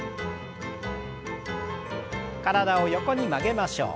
体を横に曲げましょう。